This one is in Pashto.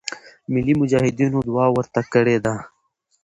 ملی مجاهدینو دعا ورته کړې ده.